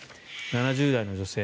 ７０代の女性